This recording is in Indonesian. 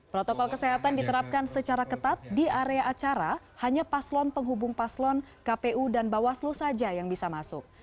protokol kesehatan diterapkan secara ketat di area acara hanya paslon penghubung paslon kpu dan bawaslu saja yang bisa masuk